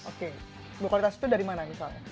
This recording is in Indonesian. oke berkualitas itu dari mana misalnya